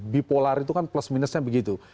bipolar itu kan plus minusnya begitu